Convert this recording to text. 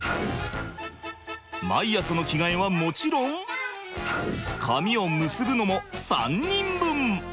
毎朝の着替えはもちろん髪を結ぶのも３人分！